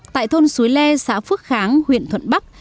tại thôn suối le xã phước kháng huyện thuận bắc